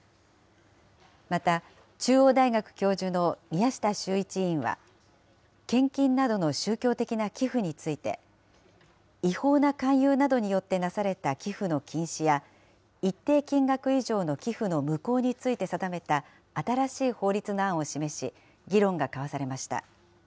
また、中央大学教授の宮下修一委員は、献金などの宗教的な寄付について、違法な勧誘などによってなされた寄付の禁止や、一定金額以上の寄付の無効について定めた新しい法律の案を示し、議論が交わされました。